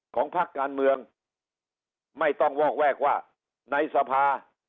พักการเมืองไม่ต้องวอกแวกว่าในสภา